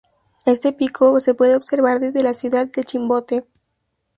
Este pico se puede observar desde la ciudad de Chimbote.